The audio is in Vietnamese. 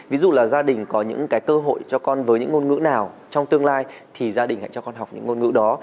ví dụ là gia đình có những cái cơ hội cho con với những ngôn ngữ nào trong tương lai thì gia đình hãy cho con học những ngôn ngữ đó